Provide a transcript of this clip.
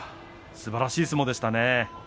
すばらしい相撲でしたね。